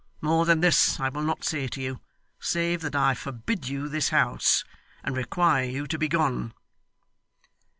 More than this I will not say to you, save that I forbid you this house, and require you to be gone.